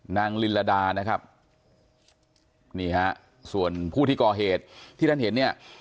นางลินลาดานะครับส่วนผู้ที่กรเหตุที่ท่านเห็นเนี่ย